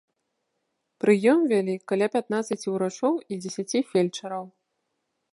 Прыём вялі каля пятнаццаці ўрачоў і дзесяці фельчараў.